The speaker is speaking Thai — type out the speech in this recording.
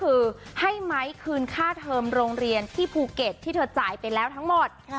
คือให้ไม้คืนค่าเทอมโรงเรียนที่ภูเก็ตที่เธอจ่ายไปแล้วทั้งหมด